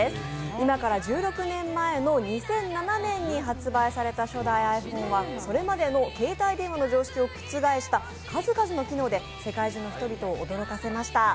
今から１６年前の２００７年に発売された初代ｉＰｈｏｎｅはそれまでの携帯電話の常識を覆した数々の機能で世界中の人々を驚かせました。